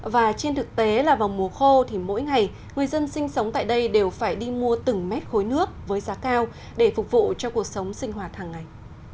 và trên thực tế là vào mùa khô thì mỗi ngày người dân sinh sống tại đây đều phải đi mua từng mét khối nước với giá cao để phục vụ cho cuộc sống sinh hoạt hàng ngày